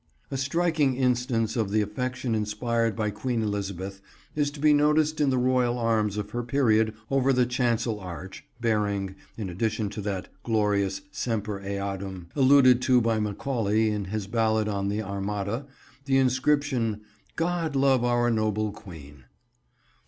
A striking instance of the affection inspired by Queen Elizabeth is to be noticed in the Royal arms of her period over the chancel arch, bearing, in addition to "that glorious 'Semper Eadem'" alluded to by Macaulay in his ballad on the Armada, the inscription "God love our noble Queen."